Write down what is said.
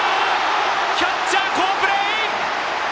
キャッチャー、好プレー！